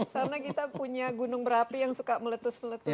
karena kita punya gunung berapi yang suka meletus meletus gitu